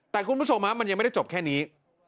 แต่คุณผู้ชมมันยังไม่ได้จบแค่นี้